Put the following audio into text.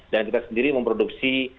dan kita sendiri memproduksi